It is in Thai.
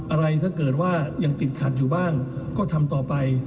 อะไรถ้าเกิดว่ายังติดขัดอยู่บ้างก็ทำต่อไป